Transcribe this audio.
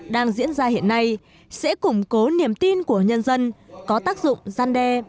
đang diễn ra hiện nay sẽ củng cố niềm tin của nhân dân có tác dụng gian đe